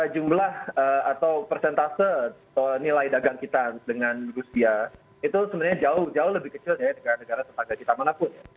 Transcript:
jumlah atau persentase nilai dagang kita dengan rusia itu sebenarnya jauh jauh lebih kecil ya dengan negara tetangga kita manapun